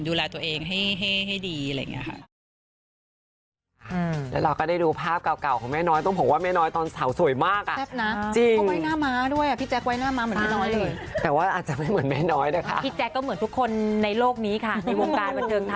ดูแลตัวเองให้ดีอะไรอย่างนี้ค่ะ